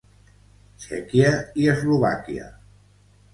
Txèquia i Eslovàquia.